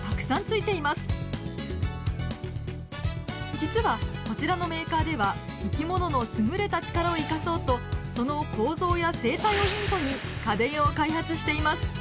実はこちらのメーカーでは生き物の優れた力を生かそうとその構造や生態をヒントに家電を開発しています。